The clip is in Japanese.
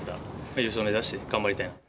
優勝目指して頑張りたいなと。